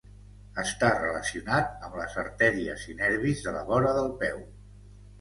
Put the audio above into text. Està relacionat amb les artèries i nervis de la vora del peu.